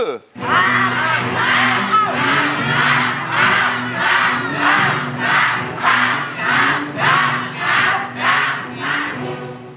ยังยังยังยังยัง